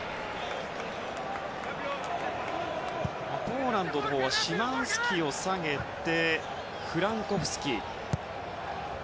ポーランドのほうはシマンスキを下げてフランコフスキ。